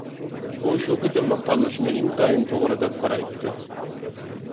ئۇ شۇ قېتىملىق تاللىشىنى ئىنتايىن توغرا دەپ قارايتتى.